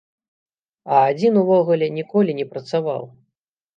А адзін увогуле ніколі не працаваў!